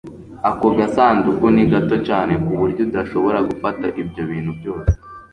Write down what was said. Ako gasanduku ni gato cyane ku buryo udashobora gufata ibyo bintu byose.